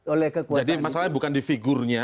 oleh jadi masalahnya bukan di figurnya